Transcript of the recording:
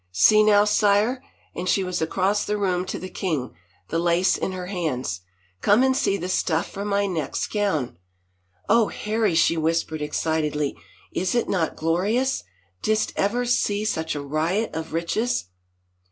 ... See now, sire," and she was across the room to the king, the lace in her hands. " Come and see the stuff for my next gown. Oh, Harry!" she whispered excitedly, is it not glorious ? Didst ever see such a riot of riches